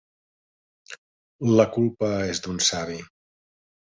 La culpa és d'un savi.